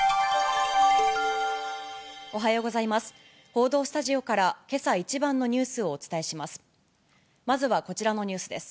報道スタジオから、けさ一番のニュースをお伝えします。